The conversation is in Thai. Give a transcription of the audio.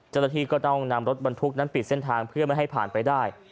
เจ้าหน้าที่ก็ต้องนำรถบรรทุกนั้นปิดเส้นทางเพื่อไม่ให้ผ่านไปได้